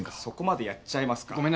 そこまでやっちゃいますか？